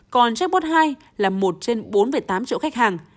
còn chatbot hai là một trên bốn tám triệu khách hàng